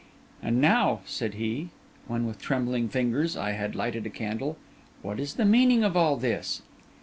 'And now,' said he, when with trembling fingers I had lighted a candle, 'what is the meaning of all this?